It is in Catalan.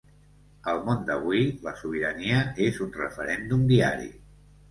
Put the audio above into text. El món d’avui, la sobirania, és un referèndum diari.